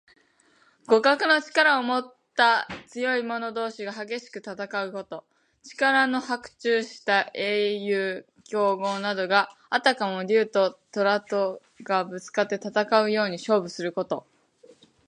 互角の力をもった強い者同士が激しく戦うこと。力の伯仲した英雄・強豪などが、あたかも竜ととらとがぶつかって戦うように勝負すること。